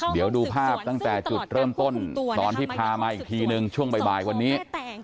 เดี๋ยวดูภาพตั้งแต่จุดเริ่มต้นตอนที่พามาอีกทีนึงช่วงบ่ายวันนี้